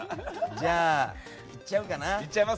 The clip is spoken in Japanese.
じゃあ、行っちゃおうかな。